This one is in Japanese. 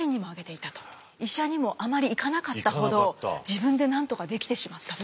医者にもあまり行かなかったほど自分でなんとかできてしまったと。